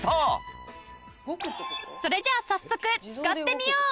それじゃあ早速使ってみよう！